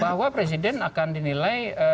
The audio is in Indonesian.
bahwa presiden akan dinilai